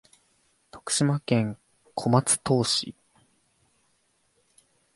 徳島県小松島市